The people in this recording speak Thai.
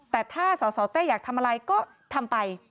แต่ถ้าสสเต้อยากทำอะไรก็ทำไป